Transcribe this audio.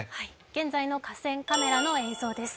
現在の河川カメラの映像です。